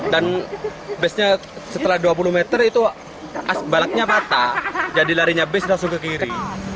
dan setelah dua puluh meter itu balaknya patah jadi larinya bus langsung ke kiri